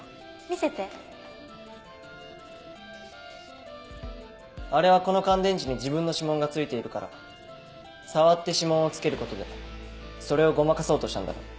見せてあれはこの乾電池に自分の指紋が付いているから触って指紋を付けることでそれをごまかそうとしたんだろう。